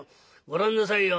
ご覧なさいよ。